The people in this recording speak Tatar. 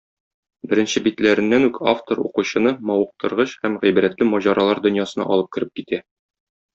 Беренче битләреннән үк автор укучыны мавыктыргыч һәм гыйбрәтле маҗаралар дөньясына алып кереп китә.